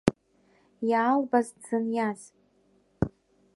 Иаалбаз, дзыниаз.